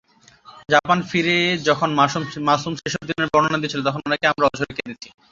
Japan ফিরে যখন মাসুম সেসব দিনের বর্ণনা দিচ্ছিল, তখন অনেকেই আমরা অঝরে কেঁদেছি।